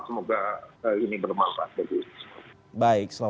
semoga ini bermanfaat bagi kita semua